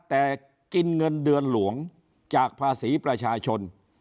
แต่กินเงินเดือนหลวงจากภาษีประชาชน